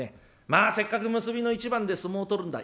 まあせっかく結びの一番で相撲を取るんだ。